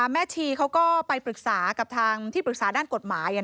ชีเขาก็ไปปรึกษากับทางที่ปรึกษาด้านกฎหมาย